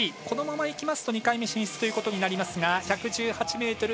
このままいきますと２回目進出となりますが１１８ｍ５０。